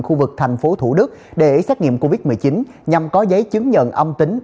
khu vực tp thủ đức để xét nghiệm covid một mươi chín nhằm có giấy chứng nhận âm tính